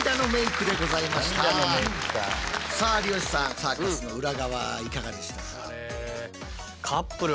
サーカスの裏側いかがでしたか？